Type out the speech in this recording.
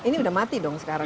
ini udah mati dong sekarang